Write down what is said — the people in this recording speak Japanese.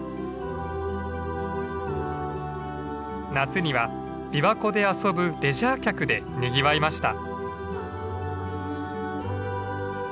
夏には琵琶湖で遊ぶレジャー客でにぎわいました。